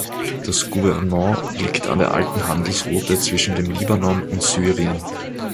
Das Gouvernement liegt an der alten Handelsroute zwischen dem Libanon und Syrien.